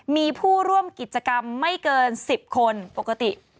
มีผู้ร่วมกิจกรรมไม่เกิน๑๐คนปกติ